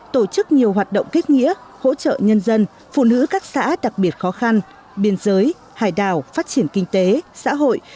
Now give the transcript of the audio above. tổ chức nhiều hoạt động kết nghĩa hỗ trợ nhân dân phụ nữ các xã đặc biệt khó khăn biên giới hải đảo phát triển kinh tế xã hội